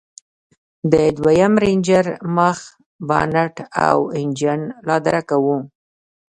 د دويم رېنجر مخ بانټ او انجن لادرکه و.